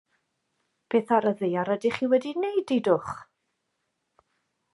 Beth ar y ddaear ydech chi wedi wneud, deudwch?